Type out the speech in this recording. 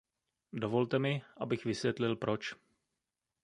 Dovolte mi, abych vysvětlil proč.